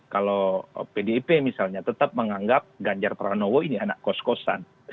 kalau pdip misalnya tetap menganggap ganjar pranowo ini anak kos kosan